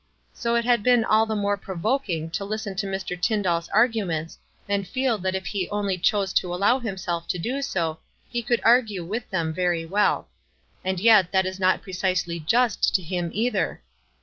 So it had been all the more provok ing to listen to Mr. TyndalPs arguments, and feel that if he only chose to allow himself to do so, he could argue with them very well ; and 262 WISE AND OTHERWISE. yet that is not precisely just to him either.